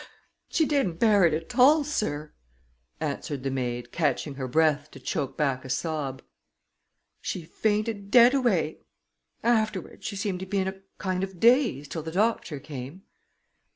"She didn't bear it at all, sir," answered the maid, catching her breath to choke back a sob. "She fainted dead away. Afterwards, she seemed to be in a kind of daze till the doctor came."